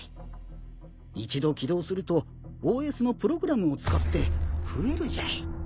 一度起動するとＯＳのプログラムを使って増えるじゃい。